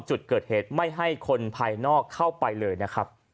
จุดเกิดเหตุไม่ให้คนภายนอกเข้าไปเลยนะครับ